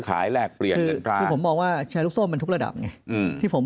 ขายแลกเปลี่ยนเงินกล้านผมบอกว่าแชร์ลูกโซ่มันทุกระดับที่ผม